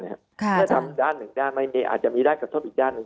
ถ้าทำด้านหนึ่งด้านไม่มีอาจจะมีด้านกระทบอีกด้านหนึ่ง